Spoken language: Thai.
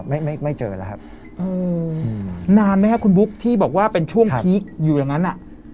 ไม่ไม่เจอแล้วครับอืมนานไหมครับคุณบุ๊คที่บอกว่าเป็นช่วงพีคอยู่อย่างนั้นอ่ะ